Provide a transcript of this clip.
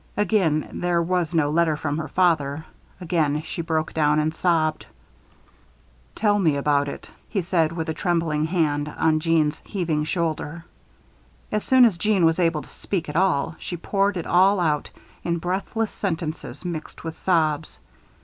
Again there was no letter from her father. Again she broke down and sobbed. "Tell me about it," said he, with a trembling hand on Jeanne's heaving shoulder. As soon as Jeanne was able to speak at all, she poured it all out, in breathless sentences mixed with sobs.